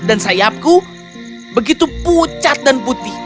dan sayapku begitu pucat dan putih